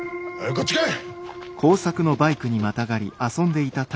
こっち来い！